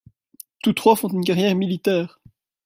Tous trois font une carrière militaire.